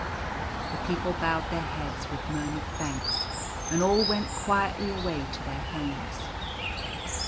The people bowed their heads with murmured thanks, and all went quietly away to their homes.